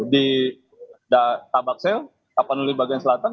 di tabaksel tapanuli bagian selatan